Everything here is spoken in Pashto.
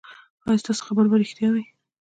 ایا ستاسو خبر به ریښتیا نه وي؟